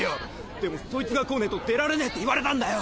でもそいつが来ねぇと出られねぇって言われたんだよ。